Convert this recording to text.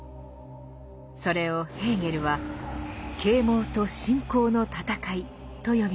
それをヘーゲルは「啓蒙と信仰の戦い」と呼びました。